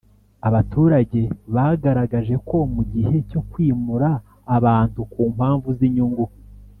Abaturage bagaragaje ko mu gihe cyo kwimura abantu ku mpamvu z inyungu